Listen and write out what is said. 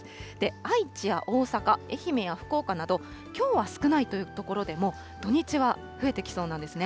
愛知や大阪、愛媛や福岡など、きょうは少ないという所でも、土日は増えてきそうなんですね。